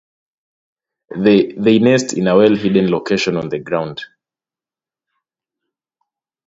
They nest in a well-hidden location on the ground.